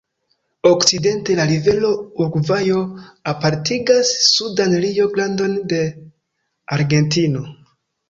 Okcidente, la rivero Urugvajo apartigas Sudan Rio-Grandon de Argentino.